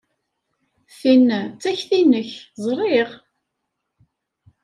Tin d takti-nnek. Ẓriɣ.